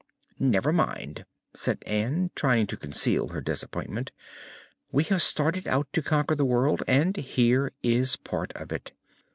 "Never mind," said Ann, trying to conceal her disappointment; "we have started out to conquer the world, and here is part of it.